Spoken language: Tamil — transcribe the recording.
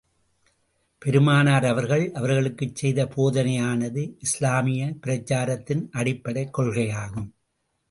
பெருமானார் அவர்கள், அவர்களுக்குச் செய்த போதனையானது, இஸ்லாமியப் பிரச்சாரத்தின் அடிப்படைக் கொள்கைகளாகும்.